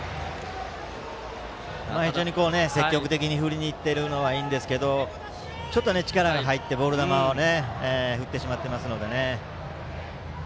非常に積極的に振りにいくのはいいんですがちょっと力が入って、ボール球を振ってしまっていますね。